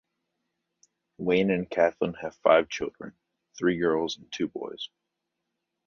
Wayne and Kathlyn have five children, three girls and two boys.